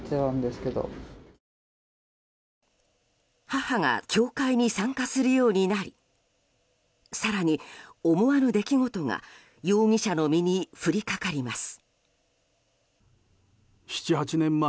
母が教会に参加するようになり更に思わぬ出来事が容疑者の身に降りかかります。